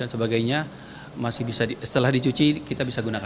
sebaiknya setelah dicuci kita bisa gunakan